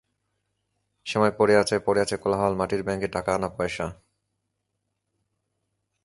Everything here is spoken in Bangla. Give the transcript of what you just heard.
সেমাই পড়ে আছে, পড়ে আছে কোলাহল, মাটির ব্যাংকে টাকা আনা পয়সা।